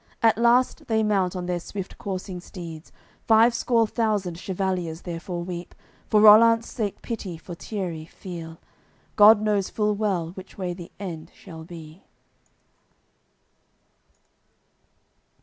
At last they mount on their swift coursing steeds. Five score thousand chevaliers therefor weep, For Rollant's sake pity for Tierri feel. God knows full well which way the end shall be.